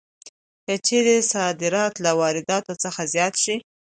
که چېرې صادرات له وارداتو څخه زیات شي